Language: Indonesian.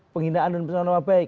penghinaan dan persatuan nama baik